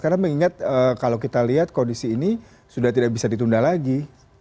karena mengingat kalau kita lihat kondisi ini sudah tidak bisa ditunda lagi